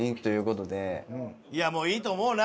いやもういいと思うな。